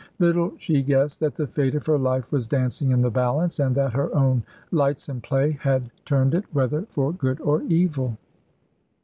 Little she guessed that the fate of her life was dancing in the balance, and that her own lightsome play had turned it, whether for good or evil.